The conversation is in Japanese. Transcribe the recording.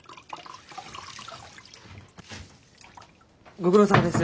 ご苦労さまです。